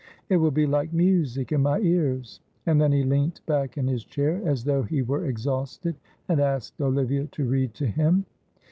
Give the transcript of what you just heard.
It will be like music in my ears;" and then he leant back in his chair as though he were exhausted and asked Olivia to read to him.